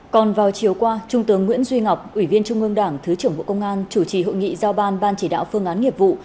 còn vào chiều qua trung tướng nguyễn duy ngọc ủy viên trung ương đảng thứ trưởng bộ công an chủ trì hội nghị giao ban ban chỉ đạo phương án nghiệp vụ